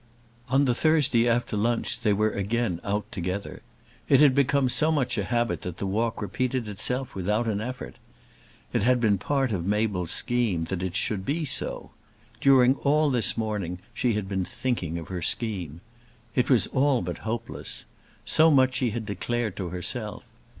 On the Thursday after lunch they were again out together. It had become so much a habit that the walk repeated itself without an effort. It had been part of Mabel's scheme that it should be so. During all this morning she had been thinking of her scheme. It was all but hopeless. So much she had declared to herself.